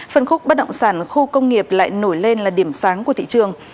phân khúc bất động sản khu công nghiệp lại nổi lên là điểm sáng của thị trường